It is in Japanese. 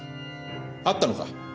あったのか？